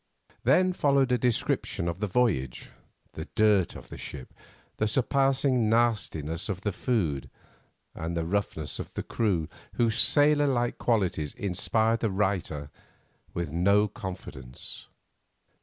Then followed a description of the voyage, the dirt of the ship, the surpassing nastiness of the food, and the roughness of the crew, whose sailor like qualities inspired the writer with no confidence.